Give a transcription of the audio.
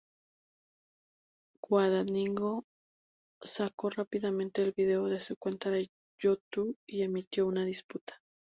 Guadagnino sacó rápidamente el video de su cuenta de YouTube y emitió una disculpa.